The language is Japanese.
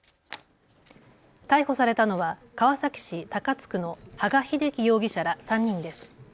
逮捕されたのは川崎市高津区の羽賀秀樹容疑者ら３人です。